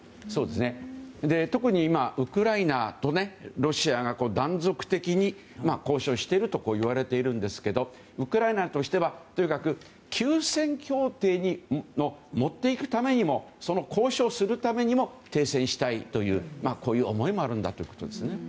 特に今ウクライナとロシアが断続的に交渉してるといわれているんですけどウクライナとしてはとにかく休戦協定に持っていくためにもその交渉をするためにも停戦したいという思いもあるんだということです。